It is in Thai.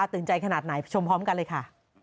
ตื่นใจขนาดไหนไปชมพร้อมกันเลยค่ะ